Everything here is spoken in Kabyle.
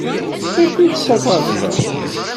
D acu i tettagadeḍ akk?